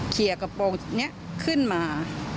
เคลียร์กระโปรงนี้ขึ้นมา